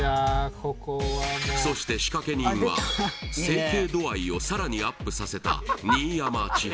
そして仕掛け人は整形度合いをさらにアップさせたこんにちは